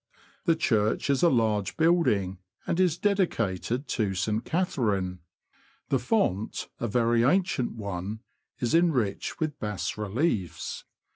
The church is a large building, and is dedicated to St. Catherine. The font, a very ancient one, is enriched w^ith bas reliefs.